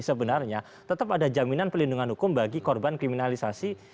sebenarnya tetap ada jaminan pelindungan hukum bagi korban kriminalisasi